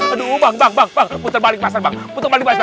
aduh bang bang bang puter balik mas bang puter balik mas